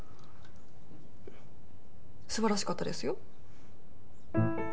素晴らしかったですよ。